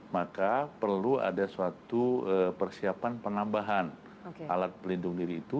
maka perlu ada suatu persiapan penambahan alat pelindung diri itu